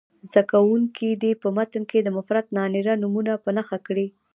زده کوونکي دې په متن کې مفرد نارینه نومونه په نښه کړي.